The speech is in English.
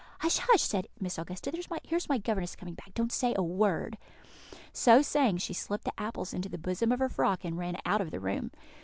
"Hush, hush!" said Miss Augusta; "here's my governess coming back. Don't say a word." So saying, she slipped the apples into the bosom of her frock, and ran out of the room.